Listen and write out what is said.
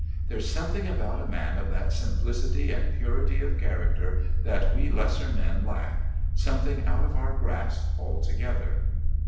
There's something about a man of that simplicity and purity of character that we lesser men lack. Something out of our grasp altogether."